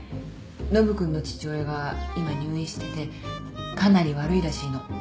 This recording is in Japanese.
ノブ君の父親が今入院しててかなり悪いらしいの。